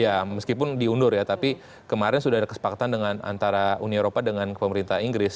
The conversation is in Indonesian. ya meskipun diundur ya tapi kemarin sudah ada kesepakatan dengan antara uni eropa dengan pemerintah inggris